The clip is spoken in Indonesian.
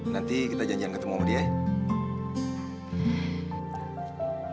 nanti kita janjian ketemu sama dia ya